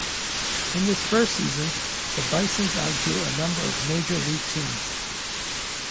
In this first season, the Bisons outdrew a number of Major League teams.